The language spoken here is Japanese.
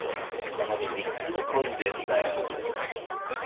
この店いっつも混んでんだよ